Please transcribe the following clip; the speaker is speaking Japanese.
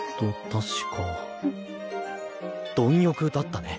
確か「貪欲」だったね。